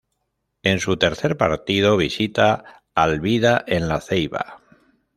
En su tercer partido visita al Vida en La Ceiba.